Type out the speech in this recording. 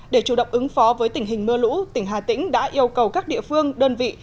để chủ động ứng phó với tình hình mưa lũ tỉnh hà tĩnh đã yêu cầu các địa phương đơn vị